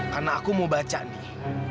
karena aku mau baca nih